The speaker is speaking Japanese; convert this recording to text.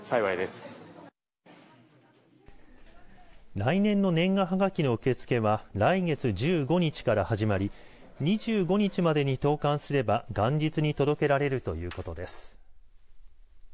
来年の年賀はがきの受け付けは来月１５日から始まり２５日までに投かんすれば元日に届けられるということです。